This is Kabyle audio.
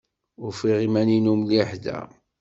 Ufiɣ iman-inu mliḥ da.